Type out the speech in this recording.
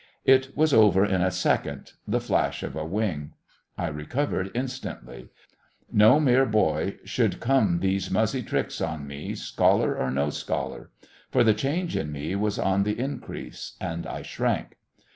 It was over in a second, the flash of a wing. I recovered instantly. No mere boy should come these muzzy tricks on me, scholar or no scholar. For the change in me was on the increase, and I shrank.